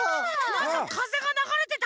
なんかかぜがながれてた。